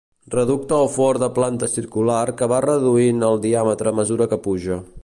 Reducte o fort de planta circular, que va reduint el diàmetre a mesura que puja.